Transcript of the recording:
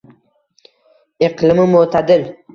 iqlimi moʻtadil